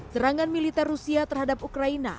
serangan militer rusia terhadap ukraina